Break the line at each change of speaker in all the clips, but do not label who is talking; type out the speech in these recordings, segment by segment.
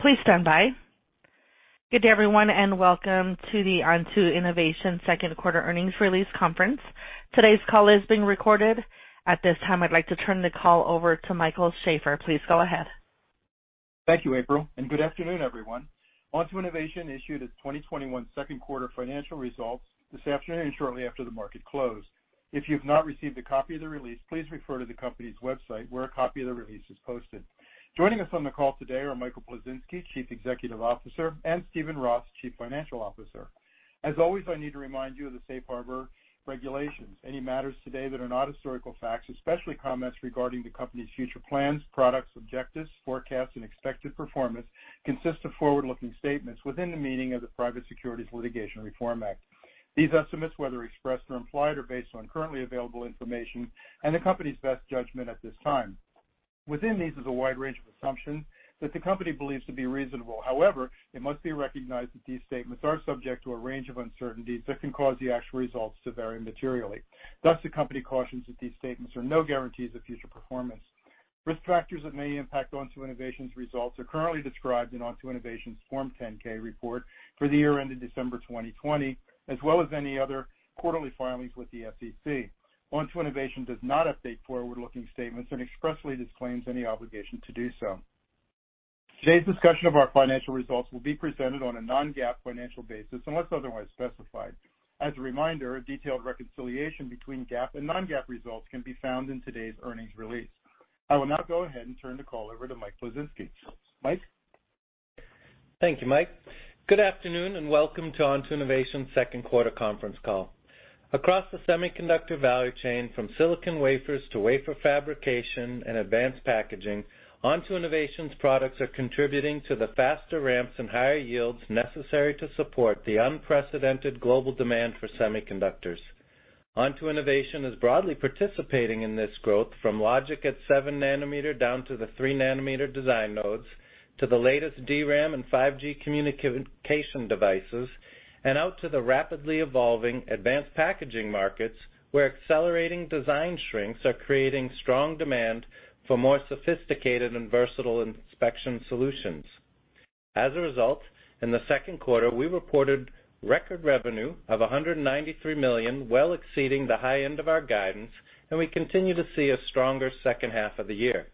Good day, everyone, welcome to the Onto Innovation second quarter earnings release conference. Today's call is being recorded. At this time, I'd like to turn the call over to Michael Sheaffer. Please go ahead.
Thank you, April, and good afternoon, everyone. Onto Innovation issued its 2021 second quarter financial results this afternoon, shortly after the market closed. If you've not received a copy of the release, please refer to the company's website where a copy of the release is posted. Joining us on the call today are Michael Plisinski, Chief Executive Officer, and Steven Roth, Chief Financial Officer. As always, I need to remind you of the safe harbor regulations. Any matters today that are not historical facts, especially comments regarding the company's future plans, products, objectives, forecasts, and expected performance, consist of forward-looking statements within the meaning of the Private Securities Litigation Reform Act. These estimates, whether expressed or implied, are based on currently available information and the company's best judgment at this time. Within these is a wide range of assumptions that the company believes to be reasonable. However, it must be recognized that these statements are subject to a range of uncertainties that can cause the actual results to vary materially. Thus, the company cautions that these statements are no guarantees of future performance. Risk factors that may impact Onto Innovation's results are currently described in Onto Innovation's Form 10-K report for the year ending December 2020, as well as any other quarterly filings with the SEC. Onto Innovation does not update forward-looking statements and expressly disclaims any obligation to do so. Today's discussion of our financial results will be presented on a non-GAAP financial basis unless otherwise specified. As a reminder, a detailed reconciliation between GAAP and non-GAAP results can be found in today's earnings release. I will now go ahead and turn the call over to Michael Plisinski. Michael?
Thank you, Mike. Good afternoon, and welcome to Onto Innovation's second quarter conference call. Across the semiconductor value chain, from silicon wafers to wafer fabrication and advanced packaging, Onto Innovation's products are contributing to the faster ramps and higher yields necessary to support the unprecedented global demand for semiconductors. Onto Innovation is broadly participating in this growth from logic at 7 nanometer down to the 3 nanometer design nodes, to the latest DRAM and 5G communication devices, and out to the rapidly evolving advanced packaging markets, where accelerating design shrinks are creating strong demand for more sophisticated and versatile inspection solutions. As a result, in the second quarter, we reported record revenue of $193 million, well exceeding the high end of our guidance. We continue to see a stronger second half of the year.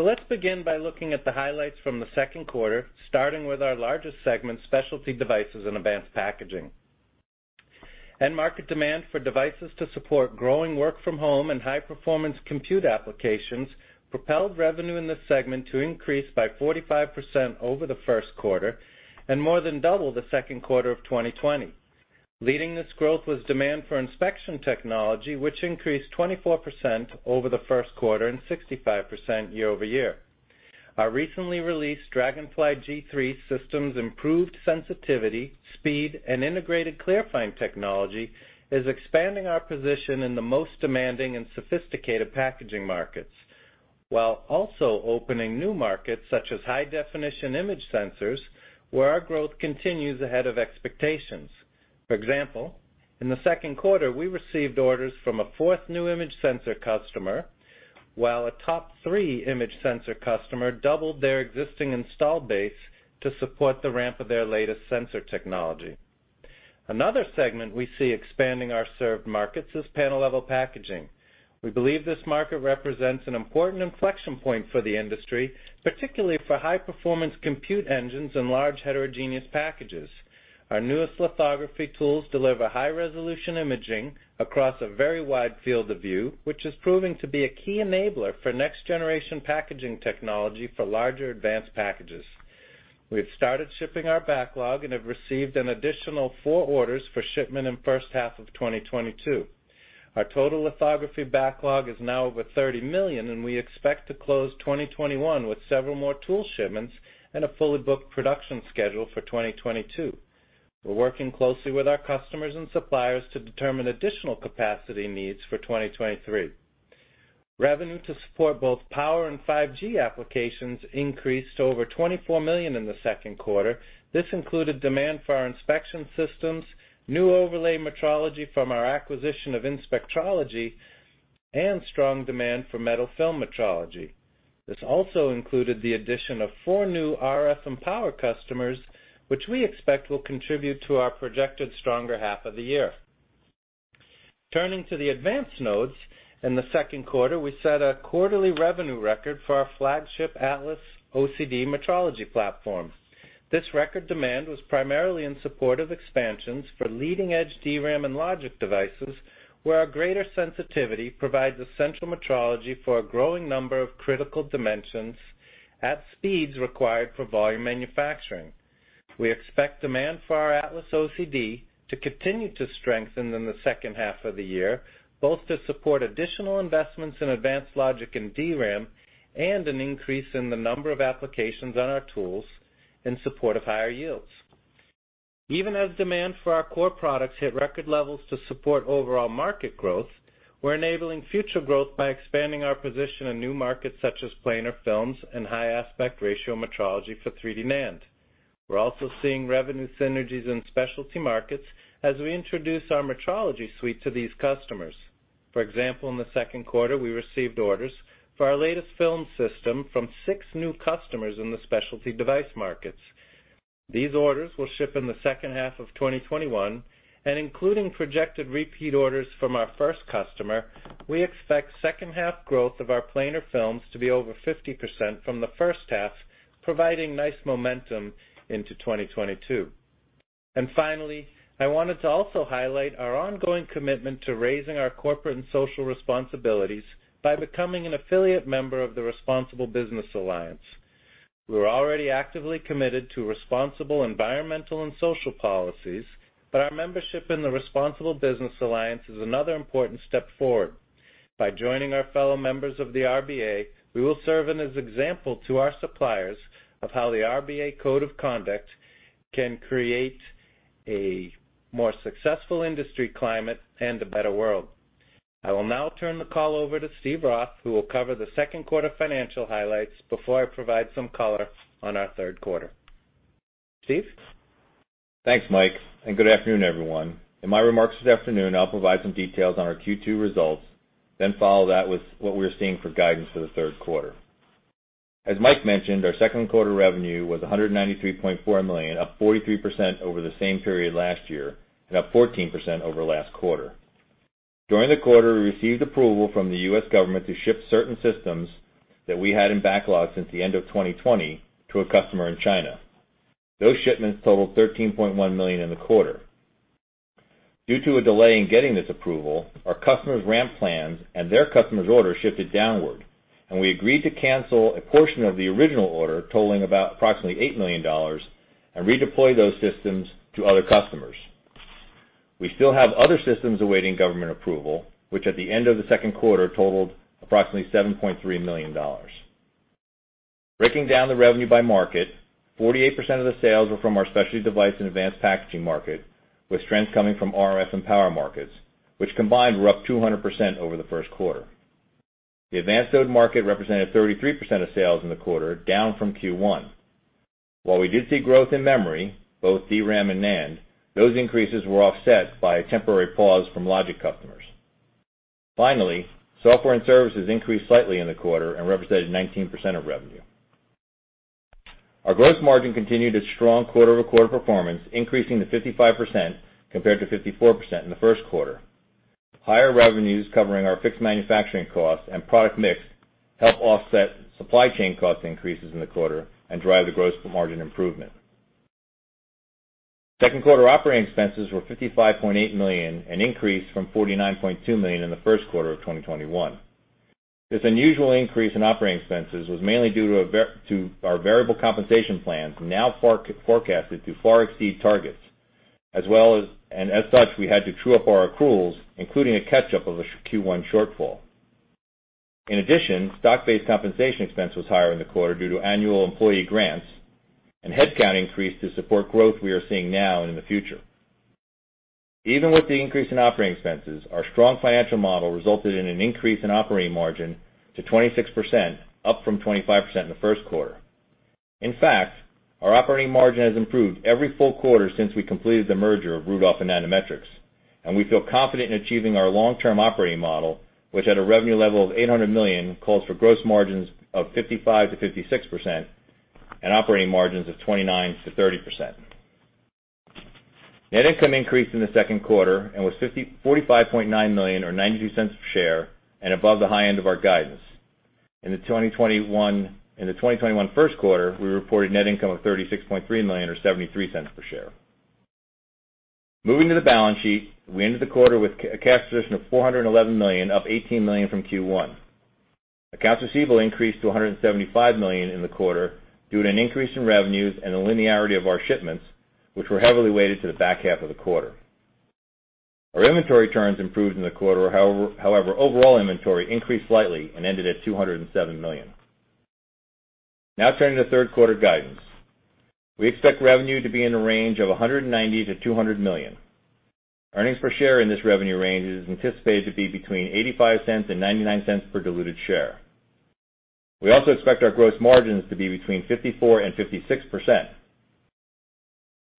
Let's begin by looking at the highlights from the second quarter, starting with our largest segment, specialty devices and advanced packaging. End market demand for devices to support growing work-from-home and high-performance compute applications propelled revenue in this segment to increase by 45% over the first quarter and more than double the second quarter of 2020. Leading this growth was demand for inspection technology, which increased 24% over the first quarter and 65% year-over-year. Our recently released Dragonfly G3 system's improved sensitivity, speed, and integrated Clearfind technology is expanding our position in the most demanding and sophisticated packaging markets, while also opening new markets such as high-definition image sensors, where our growth continues ahead of expectations. For example, in the second quarter, we received orders from a fourth new image sensor customer, while a top three image sensor customer doubled their existing installed base to support the ramp of their latest sensor technology. Another segment we see expanding our served markets is panel-level packaging. We believe this market represents an important inflection point for the industry, particularly for high-performance compute engines and large heterogeneous packages. Our newest lithography tools deliver high-resolution imaging across a very wide field of view, which is proving to be a key enabler for next-generation packaging technology for larger, advanced packages. We have started shipping our backlog and have received an additional four orders for shipment in first half of 2022. Our total lithography backlog is now over $30 million, and we expect to close 2021 with several more tool shipments and a fully booked production schedule for 2022. We're working closely with our customers and suppliers to determine additional capacity needs for 2023. Revenue to support both power and 5G applications increased to over $24 million in the second quarter. This included demand for our inspection systems, new overlay metrology from our acquisition of Inspectrology, and strong demand for metal film metrology. This also included the addition of four new RF and power customers, which we expect will contribute to our projected stronger half of the year. Turning to the advanced nodes, in the second quarter, we set a quarterly revenue record for our flagship Atlas OCD metrology platform. This record demand was primarily in support of expansions for leading-edge DRAM and logic devices, where our greater sensitivity provides essential metrology for a growing number of critical dimensions at speeds required for volume manufacturing. We expect demand for our Atlas OCD to continue to strengthen in the second half of the year, both to support additional investments in advanced logic and DRAM and an increase in the number of applications on our tools in support of higher yields. Even as demand for our core products hit record levels to support overall market growth, we're enabling future growth by expanding our position in new markets such as planar films and high aspect ratio metrology for 3D NAND. We're also seeing revenue synergies in specialty markets as we introduce our metrology suite to these customers. For example, in the second quarter, we received orders for our latest film system from six new customers in the specialty device markets. These orders will ship in the second half of 2021, and including projected repeat orders from our first customer, we expect second half growth of our planar films to be over 50% from the first half, providing nice momentum into 2022. Finally, I wanted to also highlight our ongoing commitment to raising our corporate and social responsibilities by becoming an affiliate member of the Responsible Business Alliance. We're already actively committed to responsible environmental and social policies, but our membership in the Responsible Business Alliance is another important step forward. By joining our fellow members of the RBA, we will serve as an example to our suppliers of how the RBA code of conduct can create a more successful industry climate and a better world. I will now turn the call over to Steven Roth, who will cover the second quarter financial highlights before I provide some color on our third quarter. Steven?
Thanks, Mike, and good afternoon, everyone. In my remarks this afternoon, I'll provide some details on our Q2 results, then follow that with what we're seeing for guidance for the third quarter. As Mike mentioned, our second quarter revenue was $193.4 million, up 43% over the same period last year and up 14% over last quarter. During the quarter, we received approval from the U.S. government to ship certain systems that we had in backlog since the end of 2020 to a customer in China. Those shipments totaled $13.1 million in the quarter. Due to a delay in getting this approval, our customer's ramp plans and their customer's order shifted downward, and we agreed to cancel a portion of the original order totaling about approximately $8 million and redeploy those systems to other customers. We still have other systems awaiting government approval, which at the end of the second quarter totaled approximately $7.3 million. Breaking down the revenue by market, 48% of the sales were from our specialty device and advanced packaging market, with trends coming from RF and power markets, which combined were up 200% over the first quarter. The advanced node market represented 33% of sales in the quarter, down from Q1. While we did see growth in memory, both DRAM and NAND, those increases were offset by a temporary pause from logic customers. Finally, software and services increased slightly in the quarter and represented 19% of revenue. Our gross margin continued its strong quarter-over-quarter performance, increasing to 55% compared to 54% in the first quarter. Higher revenues covering our fixed manufacturing costs and product mix helped offset supply chain cost increases in the quarter and drive the gross margin improvement. Second quarter operating expenses were $55.8 million, an increase from $49.2 million in the first quarter of 2021. This unusual increase in operating expenses was mainly due to our variable compensation plans, now forecasted to far exceed targets, and as such, we had to true up our accruals, including a catch-up of a Q1 shortfall. In addition, stock-based compensation expense was higher in the quarter due to annual employee grants and headcount increased to support growth we are seeing now and in the future. Even with the increase in operating expenses, our strong financial model resulted in an increase in operating margin to 26%, up from 25% in the first quarter. In fact, our operating margin has improved every full quarter since we completed the merger of Rudolph and Nanometrics, and we feel confident in achieving our long-term operating model, which at a revenue level of $800 million, calls for gross margins of 55%-56% and operating margins of 29%-30%. Net income increased in the second quarter and was $45.9 million or $0.92 per share and above the high end of our guidance. In the 2021 first quarter, we reported net income of $36.3 million or $0.73 per share. Moving to the balance sheet, we ended the quarter with a cash position of $411 million, up $18 million from Q1. Accounts receivable increased to $175 million in the quarter due to an increase in revenues and the linearity of our shipments, which were heavily weighted to the back half of the quarter. Our inventory turns improved in the quarter. However, overall inventory increased slightly and ended at $207 million. Turning to third quarter guidance. We expect revenue to be in the range of $190 million-$200 million. Earnings per share in this revenue range is anticipated to be between $0.85 and $0.99 per diluted share. We also expect our gross margins to be between 54% and 56%.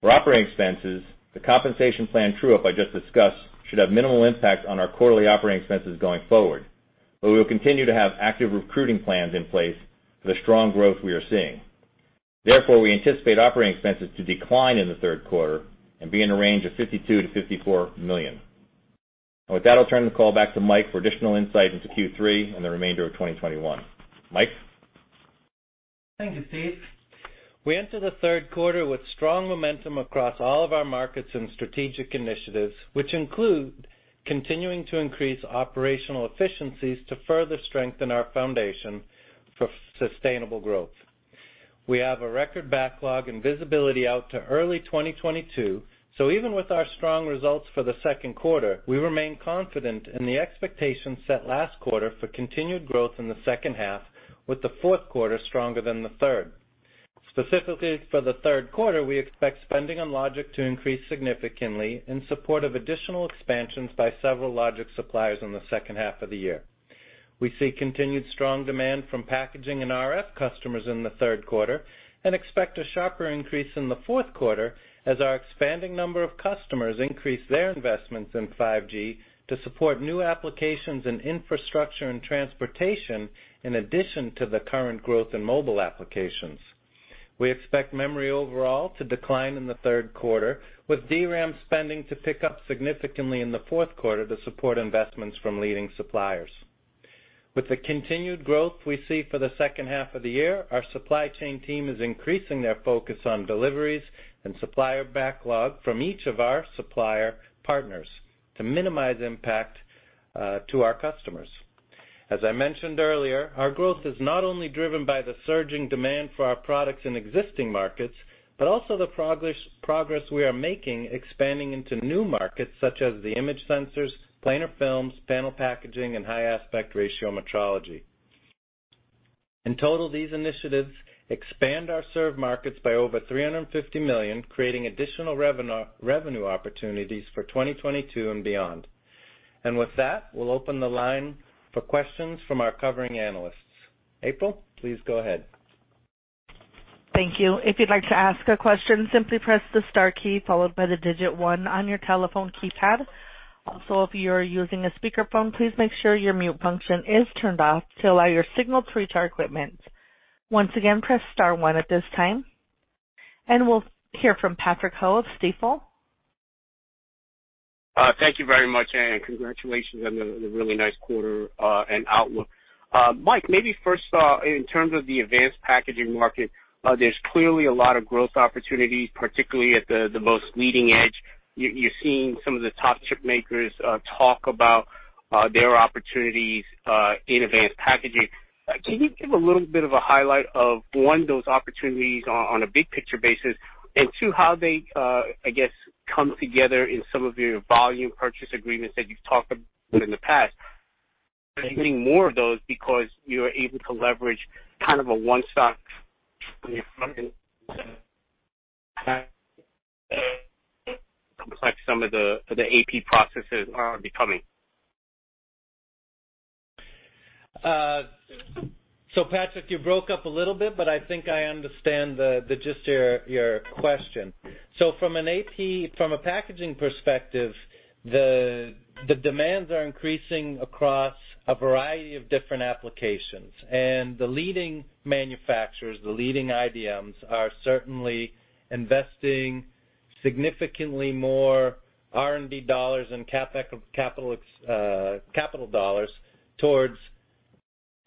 For operating expenses, the compensation plan true-up I just discussed should have minimal impact on our quarterly operating expenses going forward, but we will continue to have active recruiting plans in place for the strong growth we are seeing. Therefore, we anticipate operating expenses to decline in the third quarter and be in the range of $52 million-$54 million. With that, I'll turn the call back to Mike for additional insight into Q3 and the remainder of 2021. Mike?
Thank you, Steve. We enter the third quarter with strong momentum across all of our markets and strategic initiatives, which include continuing to increase operational efficiencies to further strengthen our foundation for sustainable growth. We have a record backlog and visibility out to early 2022, so even with our strong results for the second quarter, we remain confident in the expectations set last quarter for continued growth in the second half with the fourth quarter stronger than the third. Specifically for the third quarter, we expect spending on logic to increase significantly in support of additional expansions by several logic suppliers in the second half of the year. We see continued strong demand from packaging and RF customers in the third quarter, and expect a sharper increase in the fourth quarter as our expanding number of customers increase their investments in 5G to support new applications in infrastructure and transportation, in addition to the current growth in mobile applications. We expect memory overall to decline in the third quarter, with DRAM spending to pick up significantly in the fourth quarter to support investments from leading suppliers. With the continued growth we see for the second half of the year, our supply chain team is increasing their focus on deliveries and supplier backlog from each of our supplier partners to minimize impact to our customers. As I mentioned earlier, our growth is not only driven by the surging demand for our products in existing markets, but also the progress we are making expanding into new markets such as the image sensors, planar films, panel packaging, and high aspect ratio metrology. In total, these initiatives expand our served markets by over $350 million, creating additional revenue opportunities for 2022 and beyond. With that, we'll open the line for questions from our covering analysts. April, please go ahead.
Thank you. We'll hear from Patrick Ho of Stifel.
Thank you very much. Congratulations on the really nice quarter and outlook. Mike, maybe first, in terms of the advanced packaging market, there's clearly a lot of growth opportunities, particularly at the most leading edge. You're seeing some of the top chip makers talk about their opportunities in advanced packaging. Can you give a little bit of a highlight of, one, those opportunities on a big picture basis, and two, how they, I guess, come together in some of your volume purchase agreements that you've talked about in the past? Are you getting more of those because you're able to leverage kind of a one-stop complex some of the AP processes are becoming.
Patrick, you broke up a little bit, but I think I understand the gist of your question. From a packaging perspective, the demands are increasing across a variety of different applications. The leading manufacturers, the leading IDMs, are certainly investing significantly more R&D dollars and capital dollars towards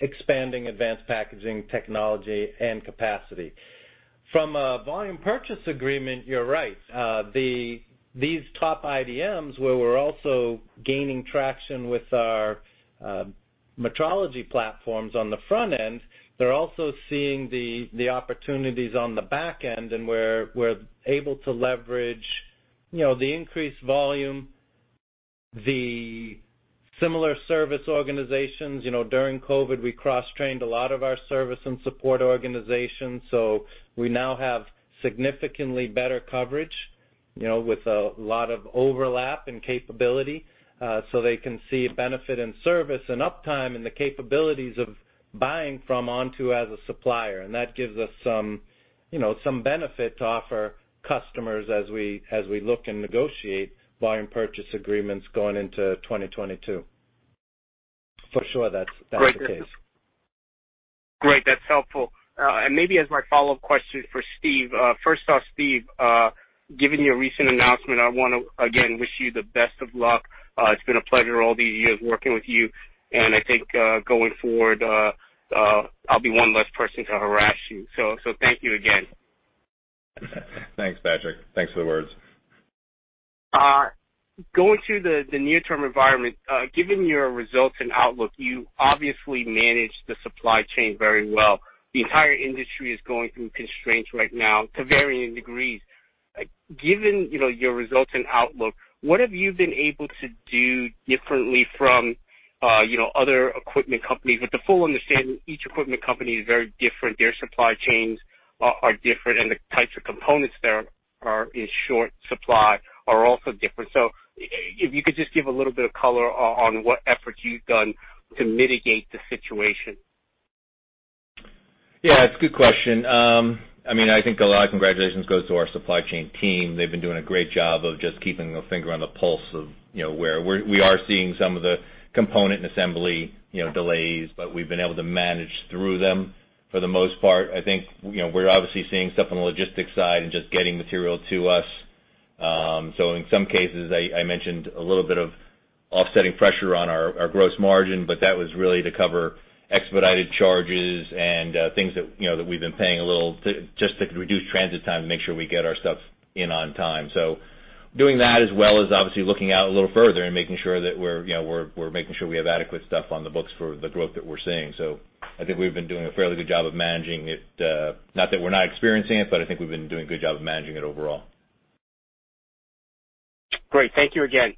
expanding advanced packaging technology and capacity. From a volume purchase agreement, you're right. These top IDMs, where we're also gaining traction with our metrology platforms on the front end, they're also seeing the opportunities on the back end, and we're able to leverage the increased volume, the similar service organizations. During COVID, we cross-trained a lot of our service and support organizations, so we now have significantly better coverage, with a lot of overlap in capability. They can see a benefit in service and uptime, and the capabilities of buying from Onto as a supplier. That gives us some benefit to offer customers as we look and negotiate volume purchase agreements going into 2022. For sure, that's the case.
Great. That's helpful. Maybe as my follow-up question for Steve. First off, Steve, given your recent announcement, I want to again wish you the best of luck. It's been a pleasure all these years working with you, and I think, going forward, I'll be one less person to harass you. Thank you again.
Thanks, Patrick. Thanks for the words.
Going to the near-term environment, given your results and outlook, you obviously managed the supply chain very well. The entire industry is going through constraints right now to varying degrees. Given your results and outlook, what have you been able to do differently from other equipment companies, with the full understanding each equipment company is very different, their supply chains are different, and the types of components that are in short supply are also different. If you could just give a little bit of color on what efforts you've done to mitigate the situation.
It's a good question. I think a lot of congratulations goes to our supply chain team. They've been doing a great job of just keeping a finger on the pulse of where. We are seeing some of the component and assembly delays. We've been able to manage through them for the most part. I think we're obviously seeing stuff on the logistics side and just getting material to us. In some cases, I mentioned a little bit of offsetting pressure on our gross margin, but that was really to cover expedited charges and things that we've been paying a little, just to reduce transit time and make sure we get our stuff in on time. Doing that as well as obviously looking out a little further and making sure that we're making sure we have adequate stuff on the books for the growth that we're seeing. I think we've been doing a fairly good job of managing it. Not that we're not experiencing it, but I think we've been doing a good job of managing it overall.
Great. Thank you again.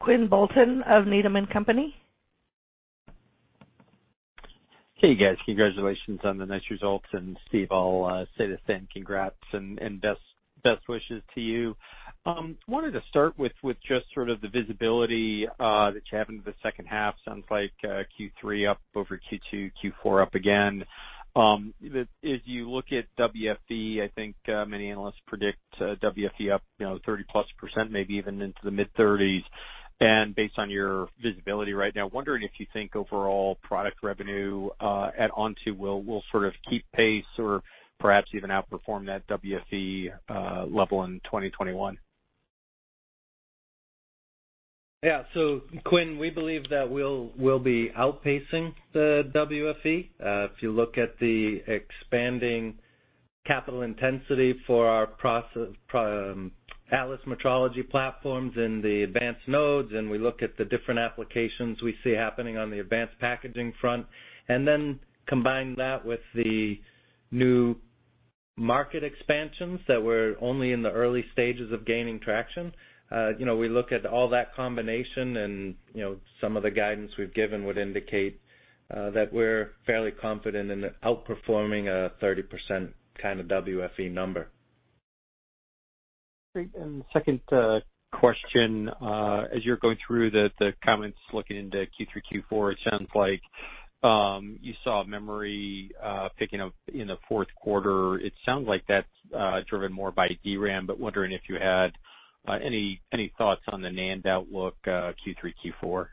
Quinn Bolton of Needham & Company.
Hey, guys. Congratulations on the nice results. Steven Roth, I'll say the same. Congrats and best wishes to you. Wanted to start with just sort of the visibility, that you have into the second half. Sounds like Q3 up over Q2, Q4 up again. As you look at WFE, I think many analysts predict WFE up 30+%, maybe even into the mid-30s. Based on your visibility right now, wondering if you think overall product revenue at Onto will sort of keep pace or perhaps even outperform that WFE level in 2021.
Quinn, we believe that we'll be outpacing the WFE. If you look at the expanding capital intensity for our Atlas metrology platforms in the advanced nodes, and we look at the different applications we see happening on the advanced packaging front, and then combine that with the new market expansions that we're only in the early stages of gaining traction. We look at all that combination and some of the guidance we've given would indicate that we're fairly confident in outperforming a 30% kind of WFE number.
Great. The second question, as you're going through the comments looking into Q3, Q4, it sounds like you saw memory picking up in the fourth quarter. It sounds like that's driven more by DRAM, but wondering if you had any thoughts on the NAND outlook, Q3, Q4.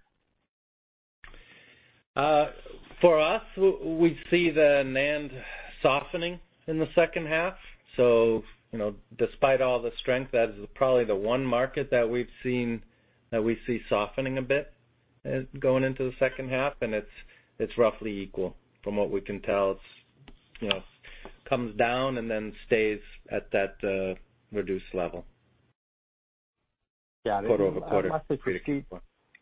For us, we see the NAND softening in the second half. Despite all the strength, that is probably the one market that we see softening a bit going into the second half, and it's roughly equal from what we can tell. It comes down and then stays at that reduced level quarter-over-quarter.
Got it.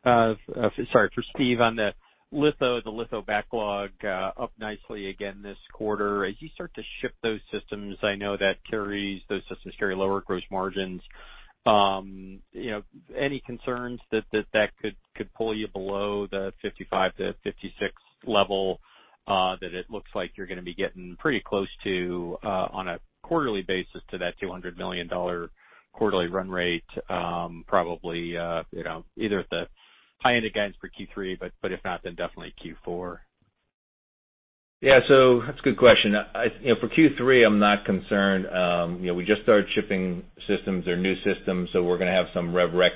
Lastly for Steve, on the litho. The litho backlog up nicely again this quarter. As you start to ship those systems, I know those systems carry lower gross margins. Any concerns that could pull you below the 55-56 level, that it looks like you're going to be getting pretty close to, on a quarterly basis, to that $200 million quarterly run rate, probably either at the high end of guidance for Q3, but if not, then definitely Q4.
Yeah, that's a good question. For Q3, I'm not concerned. We just started shipping systems. They're new systems, so we're going to have some rev rec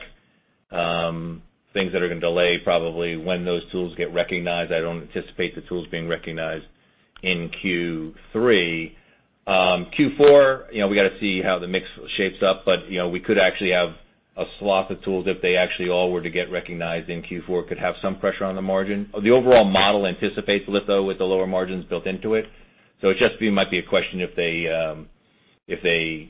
things that are going to delay probably when those tools get recognized. I don't anticipate the tools being recognized in Q3. Q4, we got to see how the mix shapes up, but we could actually have a swath of tools if they actually all were to get recognized in Q4, could have some pressure on the margin. The overall model anticipates litho with the lower margins built into it. It just might be a question if they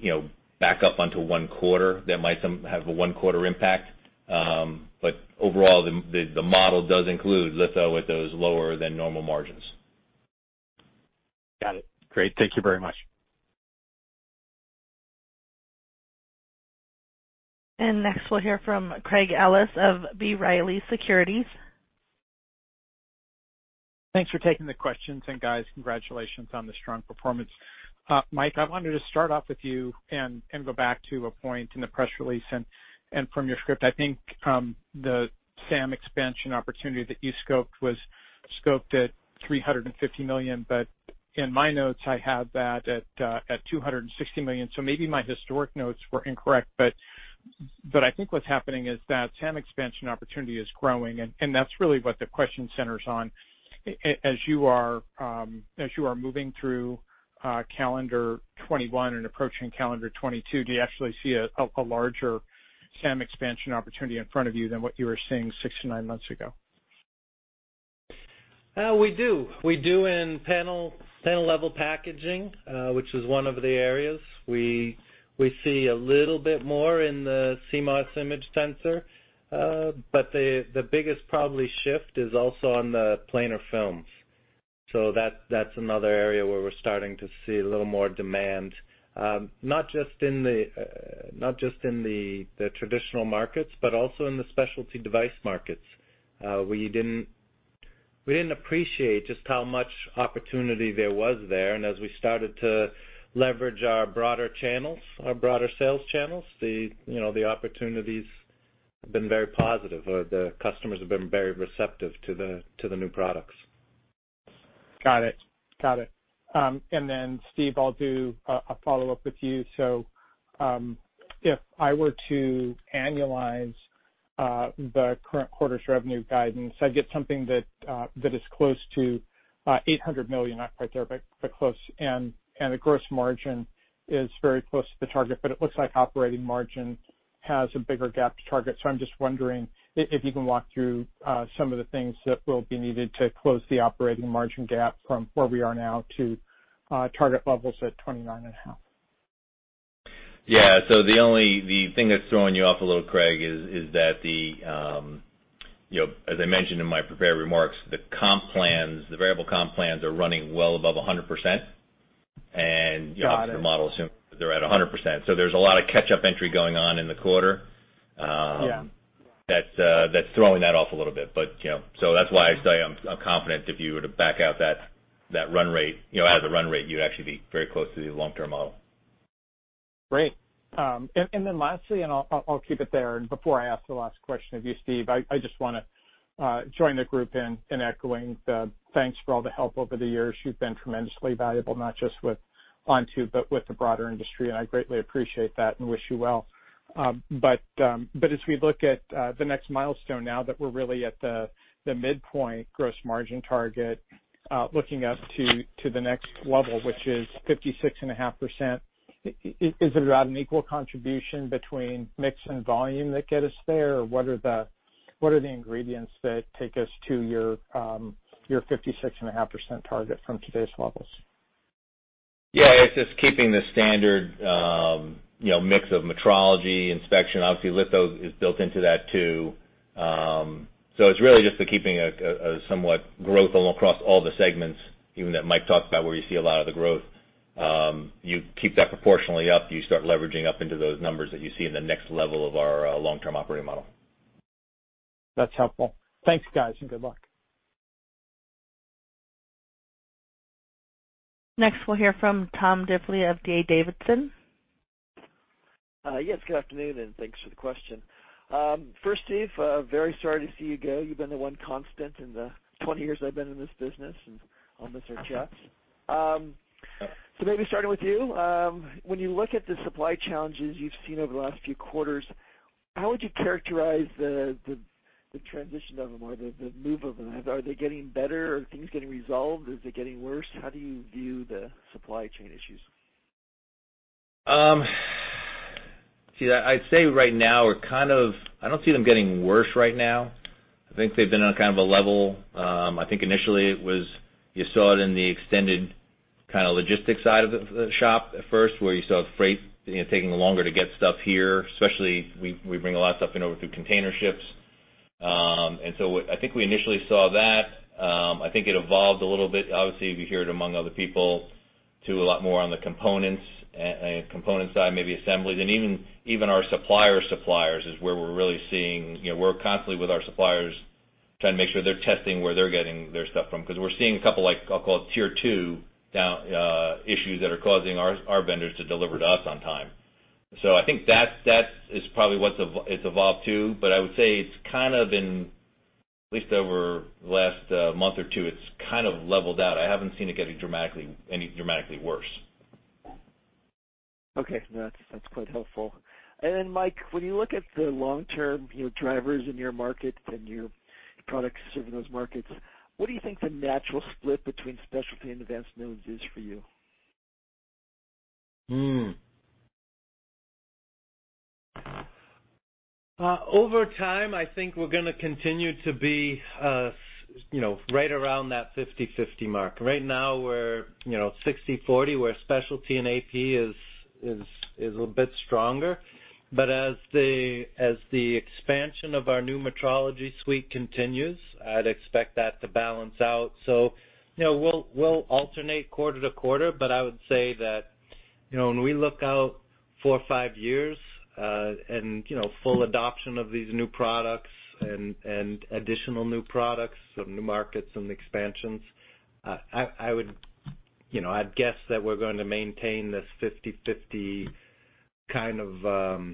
back up onto one quarter, that might have a one-quarter impact. Overall, the model does include litho at those lower than normal margins.
Got it. Great. Thank you very much.
Next we'll hear from Craig Ellis of B. Riley Securities.
Thanks for taking the questions, guys, congratulations on the strong performance. Mike, I wanted to start off with you and go back to a point in the press release and from your script. I think the SAM expansion opportunity that you scoped was scoped at $350 million, but in my notes, I have that at $260 million. Maybe my historic notes were incorrect, but I think what's happening is that SAM expansion opportunity is growing, and that's really what the question centers on. As you are moving through calendar 2021 and approaching calendar 2022, do you actually see a larger SAM expansion opportunity in front of you than what you were seeing six to nine months ago?
We do. We do in panel-level packaging, which is one of the areas. We see a little bit more in the CMOS image sensor. The biggest probably shift is also on the planar films. That's another area where we're starting to see a little more demand, not just in the traditional markets, but also in the specialty device markets. We didn't appreciate just how much opportunity there was there, and as we started to leverage our broader sales channels, the opportunity's been very positive or the customers have been very receptive to the new products.
Got it. Steve, I'll do a follow-up with you. If I were to annualize the current quarter's revenue guidance, I'd get something that is close to $800 million, not quite there, but close, and the gross margin is very close to the target, but it looks like operating margin has a bigger gap to target. I'm just wondering if you can walk through some of the things that will be needed to close the operating margin gap from where we are now to target levels at 29.5%.
Yeah. The thing that's throwing you off a little, Craig, is that the, as I mentioned in my prepared remarks, the variable comp plans are running well above 100%.
Got it.
the model assumes that they're at 100%. There's a lot of catch-up entry going on in the quarter.
Yeah
that's throwing that off a little bit. That's why I say I'm confident if you were to back out that run rate, as a run rate, you'd actually be very close to the long-term model.
Great. Lastly, and I'll keep it there, and before I ask the last question of you, Steve, I just want to join the group in echoing the thanks for all the help over the years. You've been tremendously valuable, not just with Onto, but with the broader industry, and I greatly appreciate that and wish you well. As we look at the next milestone now that we're really at the midpoint gross margin target, looking up to the next level, which is 56.5%, is it about an equal contribution between mix and volume that get us there? What are the ingredients that take us to your 56.5% target from today's levels?
Yeah. It's just keeping the standard mix of metrology inspection. Obviously, litho is built into that, too. It's really just the keeping a somewhat growth across all the segments, even that Mike talked about, where you see a lot of the growth. You keep that proportionally up, you start leveraging up into those numbers that you see in the next level of our long-term operating model.
That's helpful. Thanks, guys, and good luck.
Next, we'll hear from Tom Diffely of D.A. Davidson.
Yes, good afternoon, and thanks for the question. First, Steven, very sorry to see you go. You've been the one constant in the 20 years I've been in this business, and I'll miss our chats. Maybe starting with you, when you look at the supply challenges you've seen over the last few quarters, how would you characterize the transition of them or the move of them? Are they getting better? Are things getting resolved? Is it getting worse? How do you view the supply chain issues?
See, I'd say right now, I don't see them getting worse right now. I think they've been on kind of a level. I think initially it was, you saw it in the extended kind of logistics side of the shop at first, where you saw freight taking longer to get stuff here, especially, we bring a lot of stuff in over through container ships. I think we initially saw that. I think it evolved a little bit. Obviously, you hear it among other people, to a lot more on the component side, maybe assembly. Even our supplier's suppliers is where we're really seeing. We're constantly with our suppliers trying to make sure they're testing where they're getting their stuff from, because we're seeing a couple, I'll call it tier two, issues that are causing our vendors to deliver to us on time. I think that is probably what it's evolved to. I would say it's kind of in, at least over the last month or two, it's kind of leveled out. I haven't seen it getting any dramatically worse.
Okay. That's quite helpful. Mike, when you look at the long-term drivers in your market and your products serving those markets, what do you think the natural split between specialty and advanced nodes is for you?
Over time, I think we're going to continue to be right around that 50/50 mark. Right now, we're 60/40, where specialty and AP is a bit stronger. But as the expansion of our new metrology suite continues, I'd expect that to balance out. We'll alternate quarter to quarter, but I would say that when we look out four or five years, and full adoption of these new products and additional new products, some new markets, some expansions, I'd guess that we're going to maintain this 50/50 kind of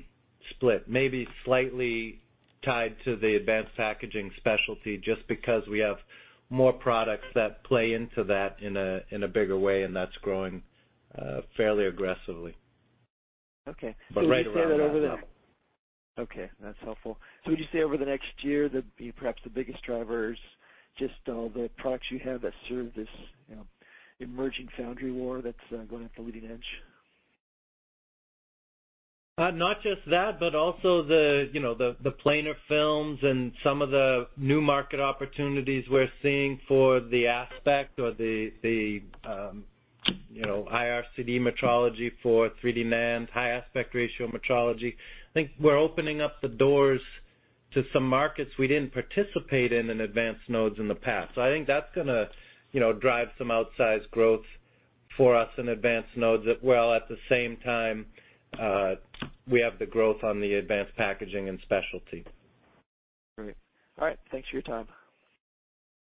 split. Maybe slightly tied to the advanced packaging specialty, just because we have more products that play into that in a bigger way, and that's growing fairly aggressively.
Okay.
Right around that level.
Okay, that's helpful. Would you say over the next year, perhaps the biggest driver is just the products you have that serve this emerging foundry war that's going at the leading edge?
Not just that, but also the planar films and some of the new market opportunities we're seeing for the aspect or the IRCD metrology for 3D NAND, high aspect ratio metrology. I think we're opening up the doors to some markets we didn't participate in in advanced nodes in the past. I think that's going to drive some outsized growth for us in advanced nodes. At the same time, we have the growth on the advanced packaging and specialty.
Great. All right. Thanks for your time.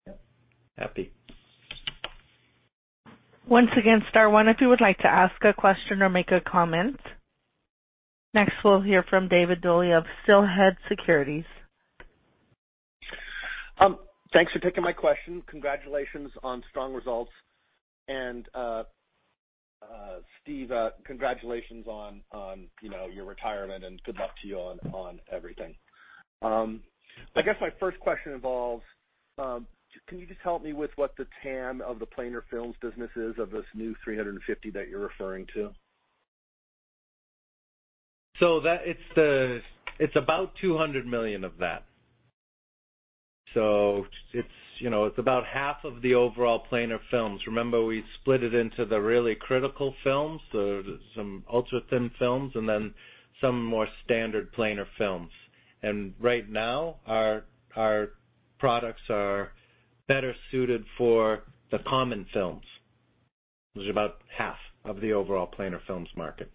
Yeah. Happy.
Once again, star one if you would like to ask a question or make a comment. We'll hear from David Duley of Steelhead Securities.
Thanks for taking my question. Congratulations on strong results. Steve, congratulations on your retirement and good luck to you on everything. I guess my first question involves, can you just help me with what the TAM of the planar films business is of this new $350 that you're referring to?
It's about $200 million of that. It's about half of the overall planar films. Remember, we split it into the really critical films, some ultra-thin films, and then some more standard planar films. Right now, our Products are better suited for the common films, which is about 1/2 of the overall planar films market.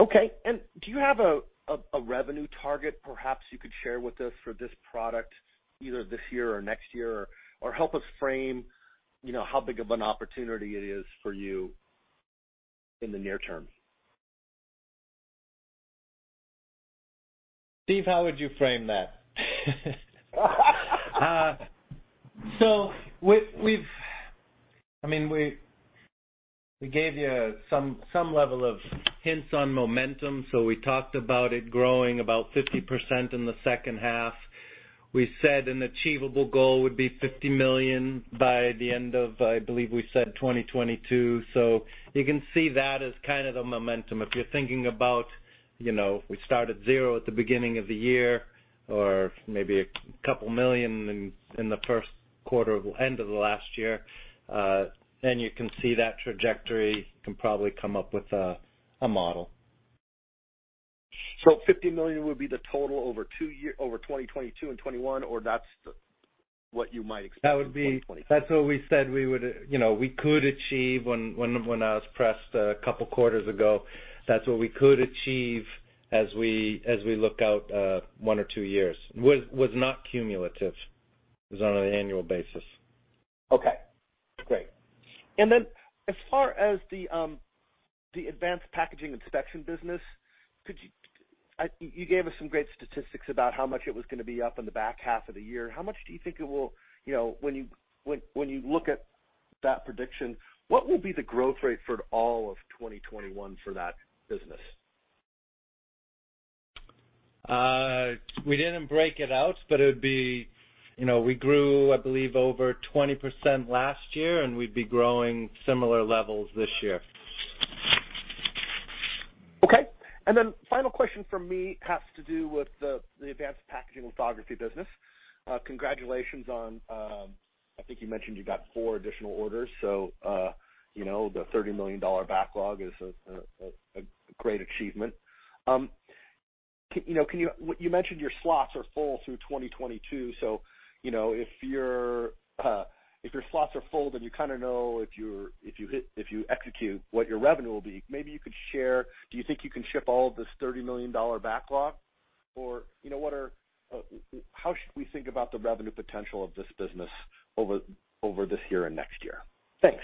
Okay. Do you have a revenue target perhaps you could share with us for this product, either this year or next year? Help us frame how big of an opportunity it is for you in the near term.
Steven, how would you frame that? We gave you some level of hints on momentum. We talked about it growing about 50% in the second half. We said an achievable goal would be $50 million by the end of, I believe, we said 2022. You can see that as kind of the momentum. If you're thinking about, we start at zero at the beginning of the year, or maybe $2 million in the first quarter end of the last year, you can see that trajectory, can probably come up with a model.
$50 million would be the total over 2022 and 2021, or that's what you might expect in 2023?
That's what we said we could achieve when I was pressed a couple of quarters ago. That's what we could achieve as we look out one or two years. It was not cumulative. It was on an annual basis.
Okay, great. As far as the advanced packaging inspection business, you gave us some great statistics about how much it was going to be up in the back half of the year. How much do you think it will, when you look at that prediction, what will be the growth rate for all of 2021 for that business?
We didn't break it out, but we grew, I believe, over 20% last year, and we'd be growing similar levels this year.
Okay. Final question from me has to do with the advanced packaging lithography business. Congratulations on, I think you mentioned you got four additional orders, so the $30 million backlog is a great achievement. You mentioned your slots are full through 2022, so, if your slots are full, then you kind of know if you execute what your revenue will be. Maybe you could share, do you think you can ship all of this $30 million backlog? How should we think about the revenue potential of this business over this year and next year? Thanks.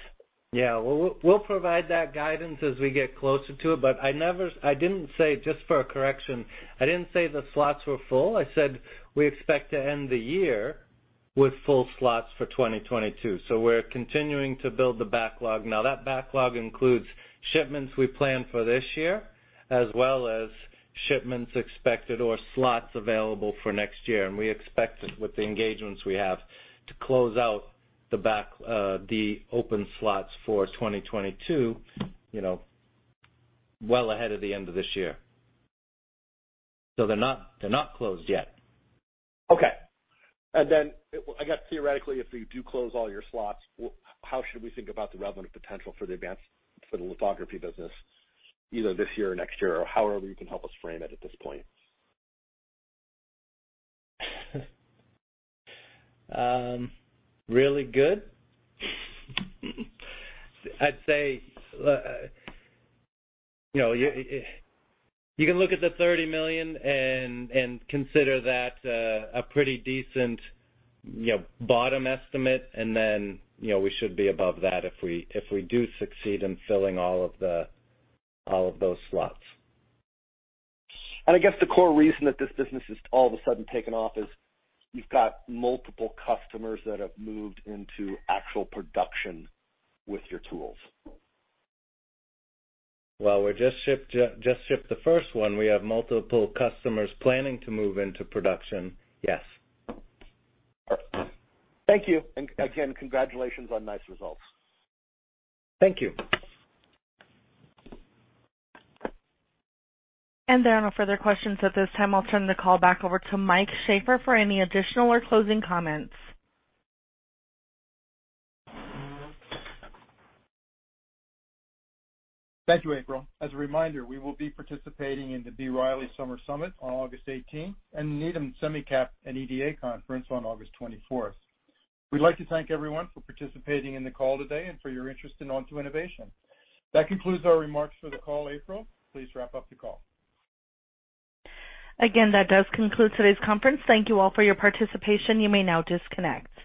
Yeah. We'll provide that guidance as we get closer to it, just for a correction, I didn't say the slots were full. I said we expect to end the year with full slots for 2022. We're continuing to build the backlog. Now, that backlog includes shipments we plan for this year, as well as shipments expected or slots available for next year. We expect with the engagements we have to close out the open slots for 2022, well ahead of the end of this year. They're not closed yet.
Okay. I guess theoretically, if you do close all your slots, how should we think about the revenue potential for the advanced, for the lithography business, either this year or next year, or however you can help us frame it at this point?
Really good. I'd say, you can look at the $30 million and consider that a pretty decent bottom estimate. We should be above that if we do succeed in filling all of those slots.
I guess the core reason that this business has all of a sudden taken off is you've got multiple customers that have moved into actual production with your tools.
Well, we just shipped the first one. We have multiple customers planning to move into production, yes.
Thank you. Again, congratulations on nice results.
Thank you.
There are no further questions at this time. I'll turn the call back over to Mike Sheaffer for any additional or closing comments.
Thank you, April. As a reminder, we will be participating in the B. Riley Summer Summit on August 18, and the Needham SemiCap and EDA Conference on August 24th. We'd like to thank everyone for participating in the call today and for your interest in Onto Innovation. That concludes our remarks for the call, April. Please wrap up the call.
That does conclude today's conference. Thank you all for your participation. You may now disconnect.